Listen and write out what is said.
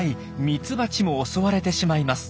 ミツバチも襲われてしまいます。